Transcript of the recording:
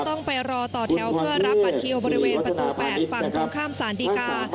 ต้องไปรอต่อแถวเพื่อรับบัตรคิวบริเวณประตู๘ฝั่งตรงข้ามสารดีกา